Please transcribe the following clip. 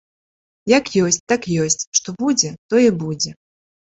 Як ёсць, так ёсць, што будзе, тое будзе.